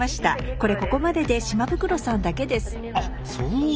これここまでで島袋さんだけです。